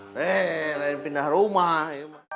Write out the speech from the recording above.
hei lain pindah rumah